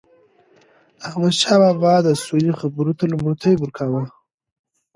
احمدشاه بابا به د سولي خبرو ته لومړیتوب ورکاوه.